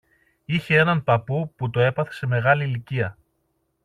είχε έναν παππού που το έπαθε σε μεγάλη ηλικία